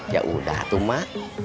yaudah tuh mak